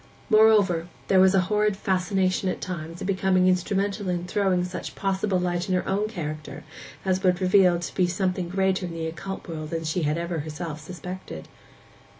Moreover, there was a horrid fascination at times in becoming instrumental in throwing such possible light on her own character as would reveal her to be something greater in the occult world than she had ever herself suspected.